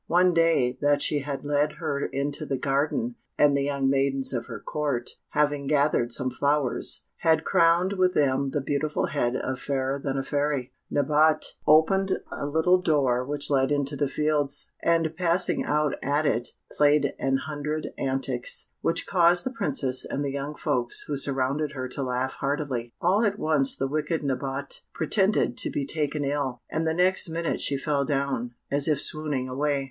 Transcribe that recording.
One day that she had led her into the garden, and the young maidens of her Court, having gathered some flowers, had crowned with them the beautiful head of Fairer than a Fairy, Nabote opened a little door which led into the fields, and passing out at it, played an hundred antics, which caused the Princess and the young folks who surrounded her to laugh heartily. All at once the wicked Nabote pretended to be taken ill, and the next minute she fell down, as if swooning away.